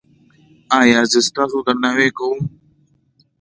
ایا زه ستاسو درناوی کوم؟